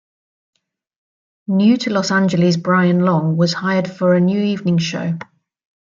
New-to-Los Angeles Brian Long was hired for a new evening show.